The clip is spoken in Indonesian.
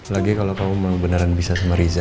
lagi kalau kamu beneran bisa sama riza